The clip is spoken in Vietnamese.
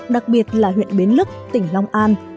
đặc biệt là huyện bến lức tỉnh long an